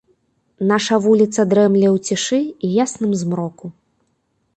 Наша вуліца дрэмле ў цішы і ясным змроку.